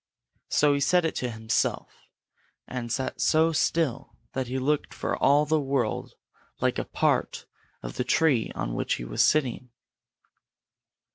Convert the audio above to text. So he said it to himself, and sat so still that he looked for all the world like a part of the tree on which he was sitting.